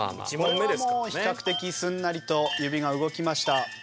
これはもう比較的すんなりと指が動きました。